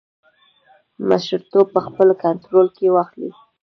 مشرتوب په خپل کنټرول کې واخلي.